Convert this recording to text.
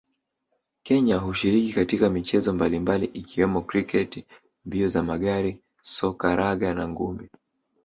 Kenya hushiriki katika michezo mbalimbali ikiwemo kriketi mbio za magari soka raga na ngumi